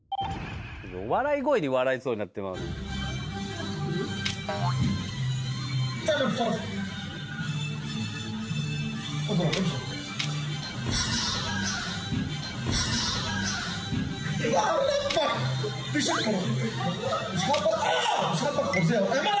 笑い声に笑いそうになってしまう。